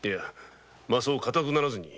まぁそう固くならずに。